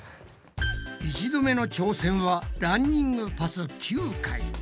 １度目の挑戦はランニングパス９回。